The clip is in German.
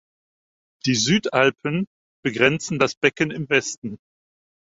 Die Südalpen begrenzen das Becken im Westen.